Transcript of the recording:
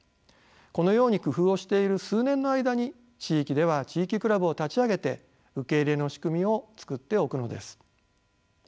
このように工夫をしている数年の間に地域では地域クラブを立ち上げて受け入れの仕組みを作っておくのです。